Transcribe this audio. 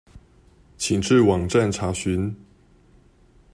請至網站查詢